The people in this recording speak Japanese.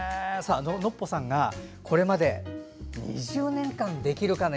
ノッポさんがこれまで２０年間「できるかな」